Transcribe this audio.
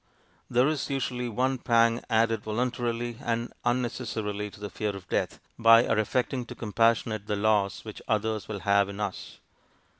There is usually one pang added voluntarily and unnecessarily to the fear of death, by our affecting to compassionate the loss which others will have in us.